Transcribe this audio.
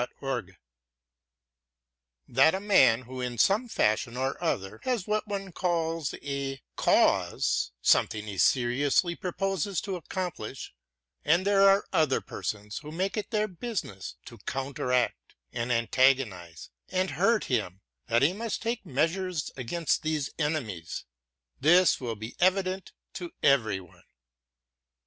VI, 5) That a man who in some fashion or other has what one calls a "cause," something he seriously purposes to accomplishŌĆöand there are other persons who make it their business to counteract, and antagonize, and hurt himŌĆöthat he must take measures against these his enemies, this will be evident to every one.